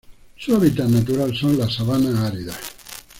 Su hábitat natural son las sabanas áridas.